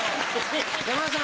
山田さん